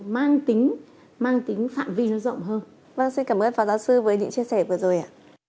vâng xin cảm ơn pháp giáo sư với những chia sẻ vừa rồi ạ